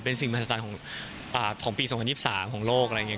เป็นสิ่งมหัศจรรย์ของปี๒๐๒๓ของโลกอะไรอย่างนี้